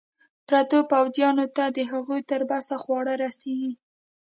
پرتو پوځیانو ته د هغوی تر بسې خواړه رسېږي.